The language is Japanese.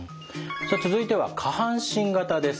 続いては下半身型です。